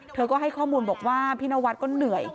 เธอก็ให้ข้อมูลบอกว่าพี่นวัดก็เหนื่อย